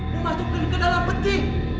memasukkan ke dalam peti